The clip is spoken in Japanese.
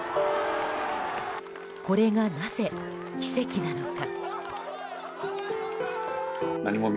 これが、なぜ奇跡なのか。